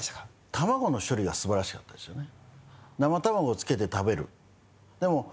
卵の処理がすばらしかったですよね